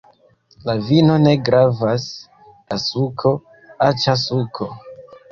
La vino ne gravas! la suko! aĉa suko!